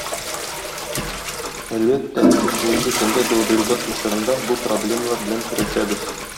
Әлбәттә, без бүгенге көндә глобализация чорында бу проблемалар белән көрәшәбез.